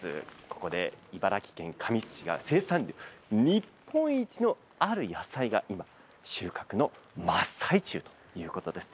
ここで茨城県神栖市が生産量日本一のある野菜が今収穫の真っ最中ということです。